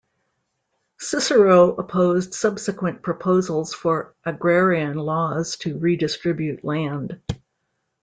Cicero opposed subsequent proposals for agrarian laws to redistribute land.